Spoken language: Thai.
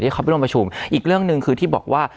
เขาไปร่วมประชุมอีกเรื่องหนึ่งคือที่บอกว่า